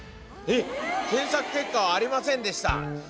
「検索結果はありませんでした」。